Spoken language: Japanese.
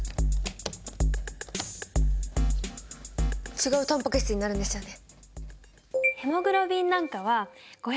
違うタンパク質になるんですよね。